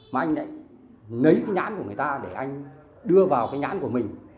mà anh lại lấy cái nhắn của người ta để anh đưa vào cái nhắn của mình